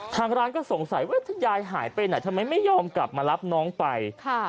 ทางร้านก็สงสัยว่าถ้ายายหายไปไหนทำไมไม่ยอมกลับมารับน้องไป